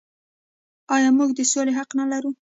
آیا موږ د سولې حق نلرو؟